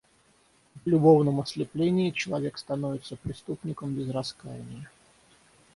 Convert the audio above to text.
В любовном ослеплении человек становится преступником без раскаяния.